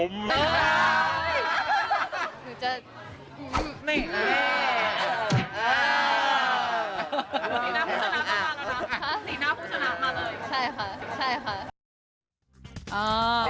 สีหน้าผู้ชนะก็วาง